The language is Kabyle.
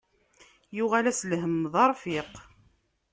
Yuɣal-as lhemm d arfiq.